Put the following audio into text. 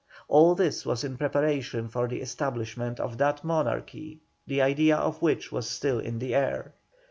All this was in preparation for the establishment of that monarchy, the idea of which was still in the air.